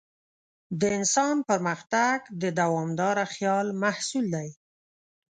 د انسان پرمختګ د دوامداره خیال محصول دی.